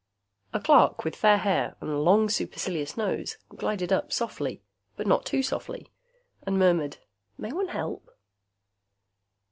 A clerk with fair hair and a long, supercilious nose glided up softly, but not too softly, and murmured, "May one help?"